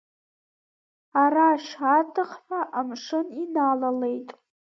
Арашь атыхҳәа амшын иналалеит.